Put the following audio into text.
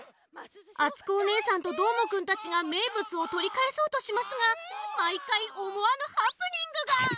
あつこおねえさんとどーもくんたちがめいぶつをとりかえそうとしますがまいかいおもわぬハプニングが！